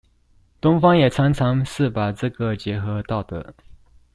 東方也常常是把這個結合道德